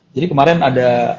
jadi kemarin ada